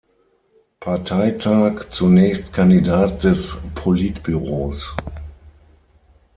Parteitag zunächst Kandidat des Politbüros.